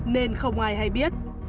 nên không ai hay biết